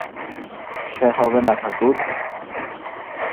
সে হবে না ঠাকুর।